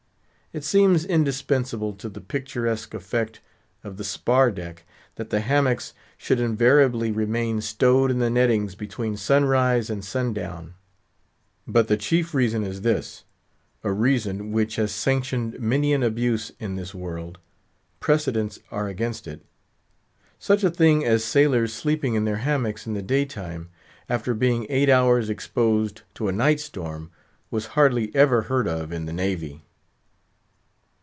It seems indispensable to the picturesque effect of the spar deck, that the hammocks should invariably remain stowed in the nettings between sunrise and sundown. But the chief reason is this—a reason which has sanctioned many an abuse in this world—precedents are against it; such a thing as sailors sleeping in their hammocks in the daytime, after being eight hours exposed to a night storm, was hardly ever heard of in the navy.